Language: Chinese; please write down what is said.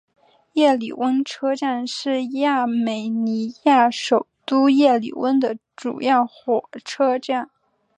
叶里温车站是亚美尼亚首都叶里温的主要火车站。